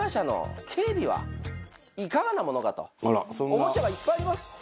おもちゃがいっぱいあります。